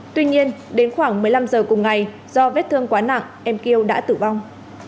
tuy nhiên đến khoảng một mươi năm giờ cùng ngày do vết thương quá nặng em kêu đã tử vong